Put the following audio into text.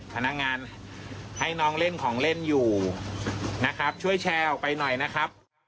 พนักงานให้น้องเล่นของเล่นอยู่นะครับช่วยแชร์ออกไปหน่อยนะครับ